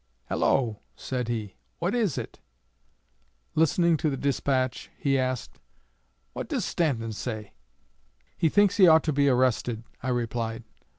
'Hello,' said he, 'what is it?' Listening to the despatch, he asked, 'What does Stanton say?' 'He thinks he ought to be arrested,' I replied.